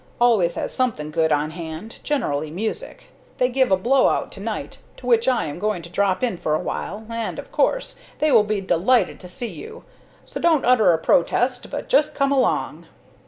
Always has something good on hand generally music. They give a blow out to night, to which I am going to drop in for a while, and, of course, they will be delighted to see you. So don't utter a protest, but just come along."